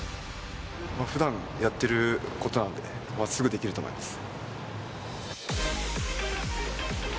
普段やっていることなのですぐできると思います。